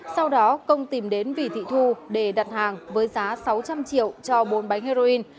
sau đó công tìm đến vị thị thu để đặt hàng với giá sáu trăm linh triệu cho bốn bánh heroin